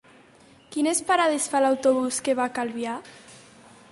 Quines parades fa l'autobús que va a Calvià?